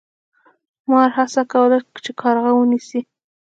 مار هڅه کوله چې کارغه ونیسي.